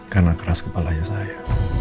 karena keras kepalanya saya